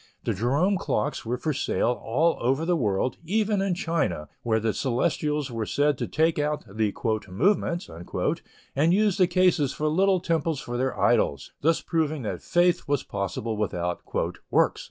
The Jerome clocks were for sale all over the world, even in China, where the Celestials were said to take out the "movements," and use the cases for little temples for their idols, thus proving that faith was possible without "works."